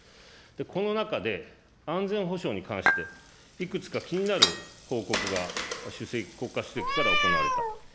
この中で、安全保障に関して、いくつか気になる報告が国家主席から行われた。